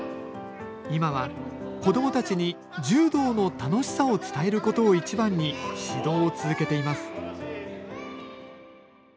今は子どもたちに柔道の楽しさを伝えることを一番に指導を続けています